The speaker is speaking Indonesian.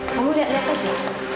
kamu lihat lihat aja